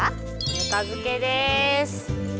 ぬか漬けです。